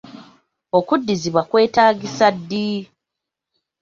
Okuddizibwa kwetaagisa ddi?